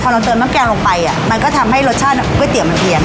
เราเติมน้ำแกงลงไปมันก็ทำให้รสชาติก๋วยเตี๋ยมันเอียน